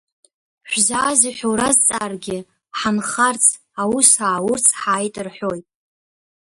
Шәзаазеи ҳәа уразҵааргьы, ҳанхарц, аус ааурц ҳааит рҳәоит.